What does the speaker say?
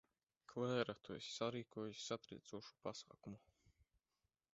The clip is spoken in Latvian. Klēra, tu esi sarīkojusi satriecošu pasākumu.